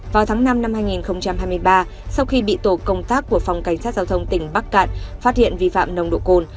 vào tháng năm năm hai nghìn hai mươi ba sau khi bị tổ công tác của phòng cảnh sát giao thông tỉnh bắc cạn phát hiện vi phạm nồng độ cồn